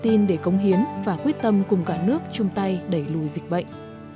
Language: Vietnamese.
niềm tin để cống hiến và quyết tâm cùng cả nước chung tay đẩy lùi dịch bệnh